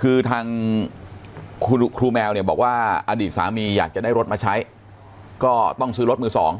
คือทางครูแมวเนี่ยบอกว่าอดีตสามีอยากจะได้รถมาใช้ก็ต้องซื้อรถมือสอง